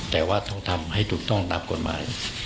แต่ว่าต้องทำให้ถูกต้องตามกฎหมาย